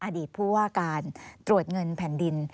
อดีตผู้ว่าการตรวจเงินแผ่นดิน